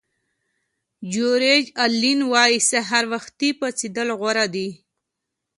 جیورج الین وایي سهار وختي پاڅېدل غوره دي.